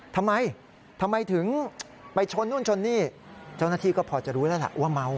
ทำไมทำไมถึงไปชนนู่นชนนี่เจ้าหน้าที่ก็พอจะรู้แล้วล่ะว่าเมา